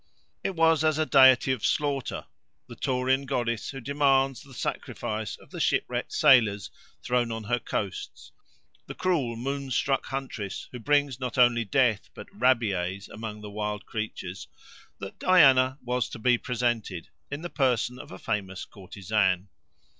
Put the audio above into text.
It was as a Deity of Slaughter—the Taurian goddess who demands the sacrifice of the shipwrecked sailors thrown on her coasts—the cruel, moonstruck huntress, who brings not only sudden death, but rabies, among the wild creatures that Diana was to be presented, in the person of a famous courtesan.